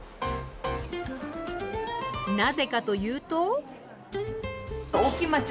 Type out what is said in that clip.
なぜかというと。